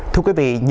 thưa quý vị